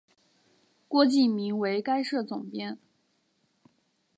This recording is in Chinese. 郭敬明为该社总编。